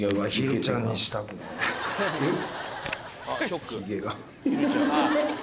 えっ？